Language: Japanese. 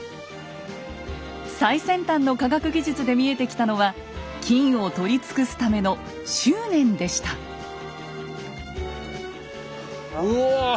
最先端の科学技術で見えてきたのは金を採り尽くすためのうわ！